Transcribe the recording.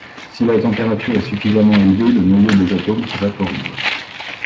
Si la température est suffisamment élevée, le noyau des atomes se vaporise.